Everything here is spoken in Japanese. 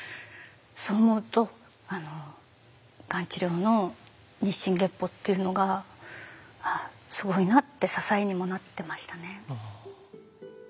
そう思うとがん治療の日進月歩っていうのがすごいなって支えにもなってましたね。